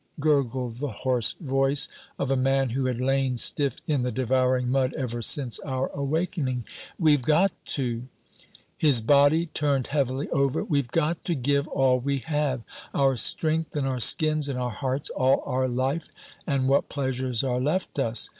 gurgled the hoarse voice of a man who had lain stiff in the devouring mud ever since our awakening; "we've got to!" His body turned heavily over. "We've got to give all we have, our strength and our skins and our hearts, all our life and what pleasures are left us.